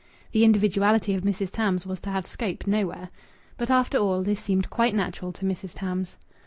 The individuality of Mrs. Tams was to have scope nowhere. But after all, this seemed quite natural to Mrs. Tams.